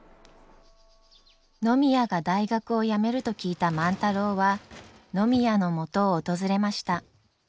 野宮が大学を辞めると聞いた万太郎は野宮のもとを訪れました。